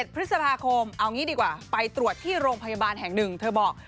๑พฤษภาคมเอางี้ดีกว่าไปตรวจที่โรงพยาบาลแห่งหนึ่งเธอบอก